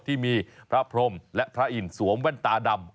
ที่มีพระพรมและพระอินทร์สวมแว่นตาดำ